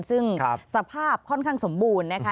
ซึ่งสภาพค่อนข้างสมบูรณ์นะคะ